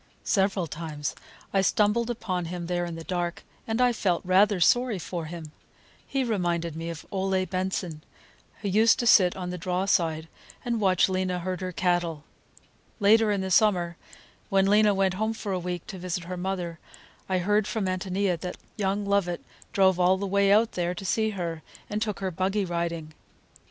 Several times I stumbled upon him there in the dark, and I felt rather sorry for him. He reminded me of Ole Benson, who used to sit on the draw side and watch Lena herd her cattle. Later in the summer, when Lena went home for a week to visit her mother, I heard from Ántonia that young Lovett drove all the way out there to see her, and took her buggy riding.